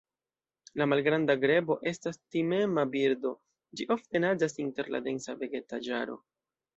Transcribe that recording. La Malgranda grebo estas timema birdo, ĝi ofte naĝas inter la densa vegetaĵaro.